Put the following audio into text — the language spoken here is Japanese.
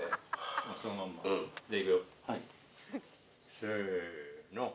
せの！